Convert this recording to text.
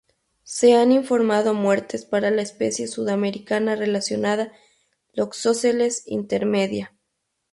Se han informado muertes para la especie sudamericana relacionada "Loxosceles intermedia".